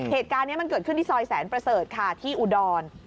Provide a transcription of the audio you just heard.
เหตุการณ์นี้มันเกิดขึ้นที่ซอยแสนประเสริฐค่ะที่อุดร